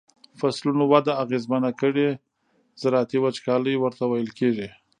فصلونو وده اغیزمنه کړي زراعتی وچکالی ورته ویل کیږي.